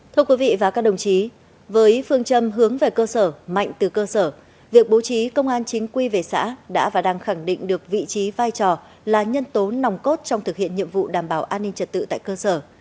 thưa quý vị và các đồng chí với phương châm hướng về cơ sở mạnh từ cơ sở việc bố trí công an chính quy về xã đã và đang khẳng định được vị trí vai trò là nhân tố nòng cốt trong thực hiện nhiệm vụ đảm bảo an ninh trật tự tại cơ sở